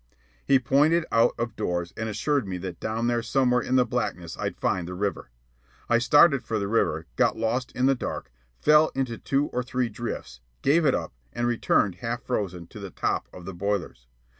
He pointed out of doors and assured me that down there somewhere in the blackness I'd find the river. I started for the river, got lost in the dark, fell into two or three drifts, gave it up, and returned half frozen to the top of the boilers.